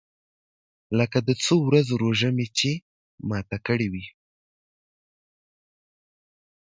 لکه د څو ورځو روژه چې مې ماته کړې وي.